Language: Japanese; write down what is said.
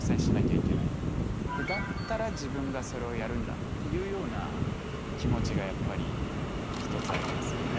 だったら自分がそれをやるんだっていうような気持ちがやっぱり一つありますよね。